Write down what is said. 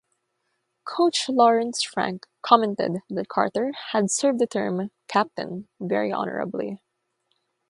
Coach Lawrence Frank commented that Carter had served the term 'captain' very honorably.